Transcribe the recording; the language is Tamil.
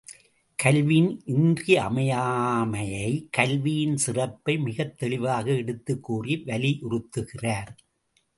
கல்வியின் இன்றியமையாமையை கல்வியின் சிறப்பை மிகத் தெளிவாக எடுத்துக் கூறி வலியுறுத்துகிறார்.